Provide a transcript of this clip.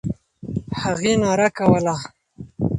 هغې ناره کوله.